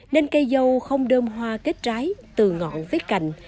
nên cây dâu không đơm hoa kết trái từ ngọn viết cành